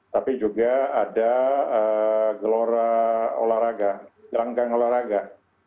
tapi juga ada gelora olahraga rangka olahraga